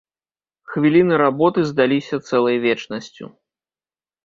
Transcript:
Хвіліны работы здаліся цэлай вечнасцю.